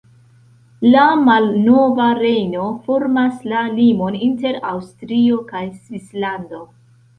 La Malnova Rejno formas la limon inter Aŭstrio kaj Svislando.